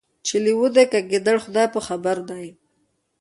چي لېوه دی که ګیدړ خدای په خبر دی